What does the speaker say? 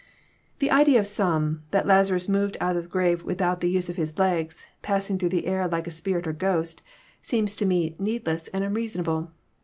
The idea of some, that Lazarus moved out of the grave with out the use of his legs, passing through air like a spirit or ghost, seems to me needless and unreasonable.